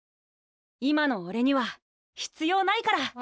今のおれには必要ないから。